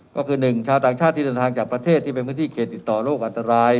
ก็คือหนึ่งชาวต่างชาติที่เดินทางจากประเทศที่เป็นพื้นที่เขตติดต่อโรคอันตราย